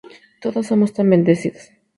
Todos somos tan bendecidos.